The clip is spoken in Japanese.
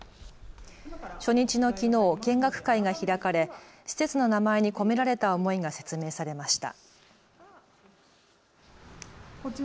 初日のきのう、見学会が開かれ施設の名前に込められた思いが説明されました。